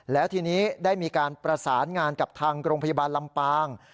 แล้วทีนี้ได้มีการประสานงานกับทางโรงพยาบาลลำปาง